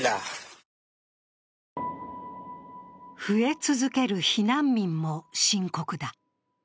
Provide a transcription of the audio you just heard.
増え続ける避難民も深刻だ。